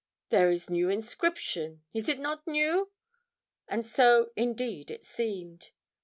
There is new inscription is it not new?' And so, indeed, it seemed.